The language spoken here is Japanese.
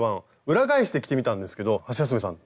裏返して着てみたんですけどハシヤスメさん